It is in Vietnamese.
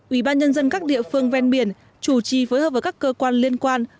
ubnd các địa phương ven biển chủ trì phối hợp với các cơ quan liên quan